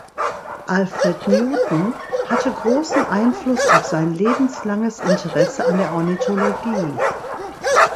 Alfred Newton hatte großen Einfluss auf sein lebenslanges Interesse an der Ornithologie.